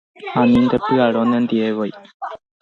Ani ndepy'arõ nendivevoi